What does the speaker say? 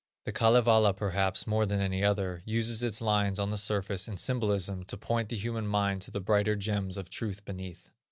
The Kalevala, perhaps, more than any other, uses its lines on the surface in symbolism to point the human mind to the brighter gems of truth beneath.